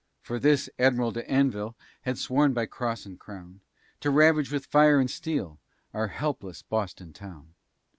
For this Admiral D'Anville Had sworn by cross and crown To ravage with fire and steel Our helpless Boston Town.